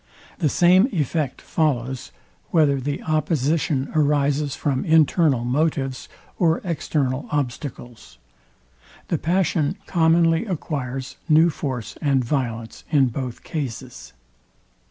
The same effect follows whether the opposition arises from internal motives or external obstacles. The passion commonly acquires new force and violence in both cases.